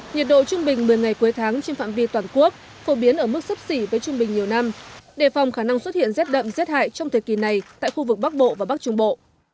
nhiệt độ trung bình một mươi ngày cuối tháng trên phạm vi toàn quốc phổ biến ở mức sấp xỉ với trung bình nhiều năm đề phòng khả năng xuất hiện rét đậm rét hại trong thời kỳ này tại khu vực bắc bộ và bắc trung bộ